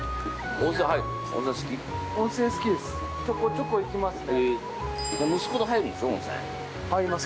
◆温泉好きです。